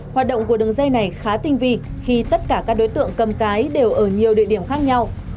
hoạt động của đường dây này khá tinh vi khi tất cả các đối tượng cầm cái đều ở nhiều địa điểm khác nhau